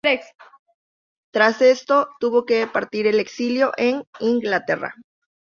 Tras esto, tuvo que partir al exilio en Inglaterra.